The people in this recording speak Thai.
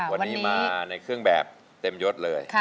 วันนี้มาในเครื่องแบบเต็มยดเลย